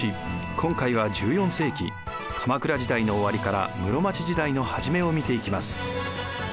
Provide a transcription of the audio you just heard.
今回は１４世紀鎌倉時代の終わりから室町時代の初めを見ていきます。